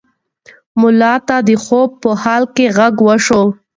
ملا ته د خوب په حال کې غږ وشو.